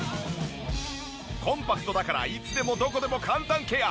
コンパクトだからいつでもどこでも簡単ケア。